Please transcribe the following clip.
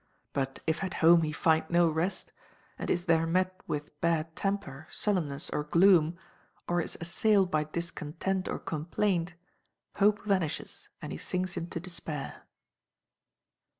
But if at home he find no rest, and is there met with bad temper, sullenness, or gloom, or is assailed by discontent or complaint, hope vanishes, and he sinks into despair.